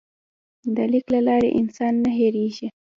د لیک له لارې انسان نه هېرېږي.